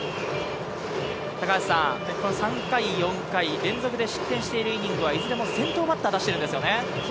３回、４回、連続で失点しているイニングはいずれも先頭バッターを出してるんですよね。